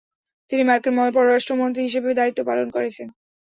তিনি মার্কিন পররাষ্ট্রমন্ত্রী হিসেবে দায়িত্ব পালন করেছেন।